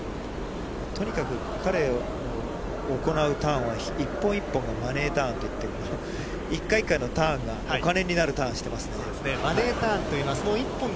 とにかく彼が行うターンは一本一本がマネーターンといって、一回一回の金がお金になるターンしてますんで。